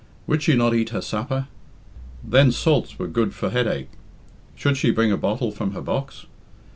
Would she not eat her supper? Then salts were good for headache should she bring a bottle from her box?